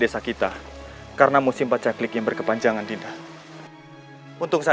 sampai jumpa di video selanjutnya